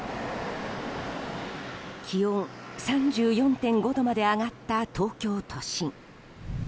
気温３４．５度まで上がった東京都心。